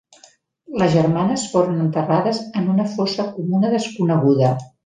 Les germanes foren enterrades en una fossa comuna desconeguda.